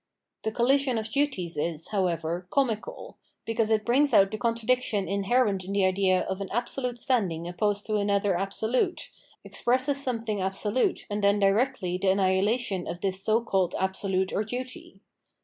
The colhsion of duties is, however, comical, because it brings out the contradiction inherent in the idea of an absolute standing opposed to another absolute, expresses some thing absolute and then directly the annihilation of this so called absolute or duty.